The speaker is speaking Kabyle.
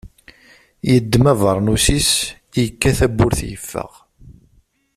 Yeddem abernus-is, yekka tawwurt yeffeɣ.